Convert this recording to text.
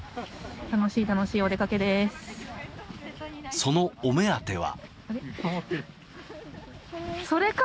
その、お目当ては。